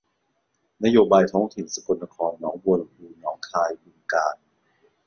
นโยบายท้องถิ่น สกลนครหนองบัวลำภูหนองคายบึงกาฬ